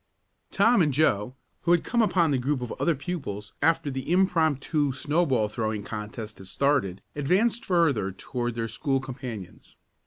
Tom and Joe, who had come upon the group of other pupils after the impromptu snowball throwing contest had started, advanced further toward their school companions.